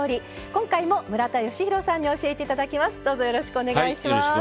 今回も村田吉弘さんに教えていただきます。